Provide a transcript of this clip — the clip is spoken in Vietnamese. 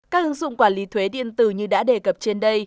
các ứng dụng quản lý thuế điện tử như đã đề cập trên đây